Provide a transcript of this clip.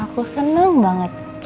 aku seneng banget